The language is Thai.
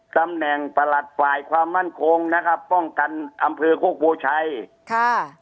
ตำแหน่งประหลัดฝ่ายความมั่นคงนะครับป้องกันอำเภอโคกโพชัยค่ะ